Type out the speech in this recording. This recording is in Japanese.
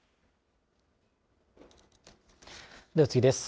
では次です。